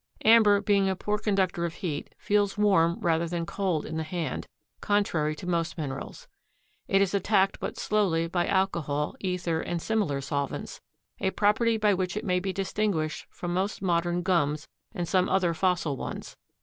Amber being a poor conductor of heat feels warm rather than cold in the hand, contrary to most minerals. It is attacked but slowly by alcohol, ether and similar solvents, a property by which it may be distinguished from most modern gums and some other fossil ones.